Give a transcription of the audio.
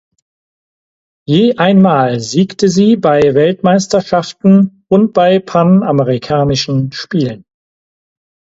Je einmal siegte sie bei Weltmeisterschaften und bei Panamerikanischen Spielen.